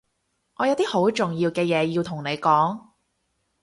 我有啲好重要嘅嘢要同你講